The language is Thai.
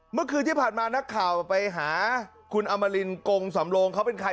เมื่อคืนที่ผ่านมานักข่าวไปหาคุณอมรินกงสำโลงเขาเป็นใคร